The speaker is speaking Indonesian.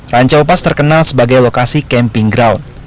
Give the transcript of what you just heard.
rancaupas terkenal sebagai lokasi camping ground